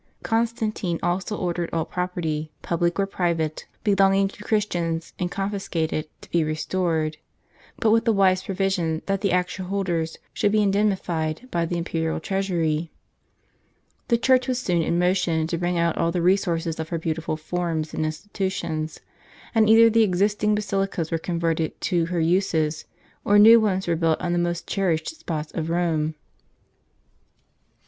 Constantino also ordered all property, public or private, belonging to Christians and confiscated, to be restored; but with the wise provision that the actual holders should be indenmified by the imperial treasury, t The Church was soon in motion to bring out all the resources of her beauti ful forms and institutions ; and either the existing basilicas were converted to her uses, or new ones were built on the most cherished spots of Kome.